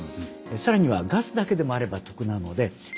更にはガスだけでもあれば得なので燃料電池ですね。